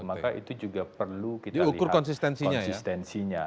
maka itu juga perlu kita lihat konsistensinya